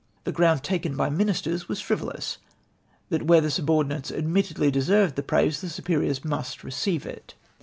The ground taken by mi nisters was frivolous — that where the subordinates admittedly deserved the praise, the superiors must receive it.